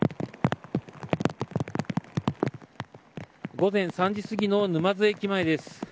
午前３時すぎの沼津駅前です。